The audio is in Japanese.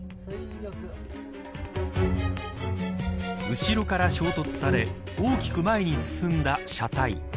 後ろから衝突され大きく前に進んだ車体。